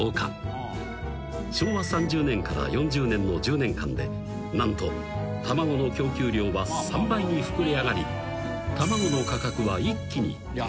［昭和３０年から４０年の１０年間で何と卵の供給量は３倍に膨れ上がり卵の価格は一気に低下］